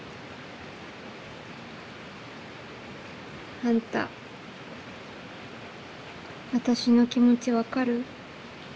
あんた私の気持ち分かる？